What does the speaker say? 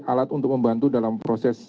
alat untuk membantu dalam proses